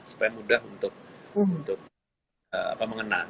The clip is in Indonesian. supaya mudah untuk mengenal